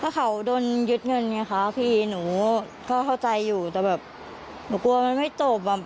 เขาโดนยึดเงินไงคะพี่หนูก็เข้าใจอยู่แต่แบบหนูกลัวมันไม่จบอ่ะ